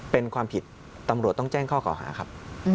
เป็นความผิดตำรวจต้องแจ้งข้อเก่าหาครับ